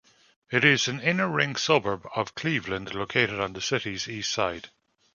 It is an inner-ring suburb of Cleveland located on the city's east side.